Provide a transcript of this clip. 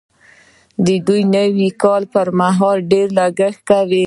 دوی د نوي کال پر مهال ډېر لګښت کوي.